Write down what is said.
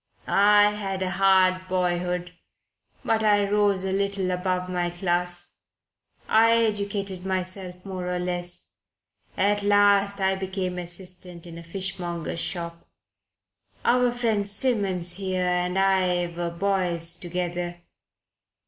"I had a hard boyhood. But I rose a little above my class. I educated myself more or less. At last I became assistant in a fishmonger's shop. Our friend Simmons here and I were boys together.